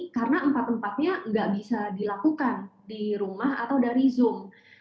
karena empat empatnya gak bisa dilakukan di rumah atau dari zoom